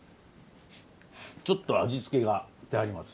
ちょっと味付けがしてあります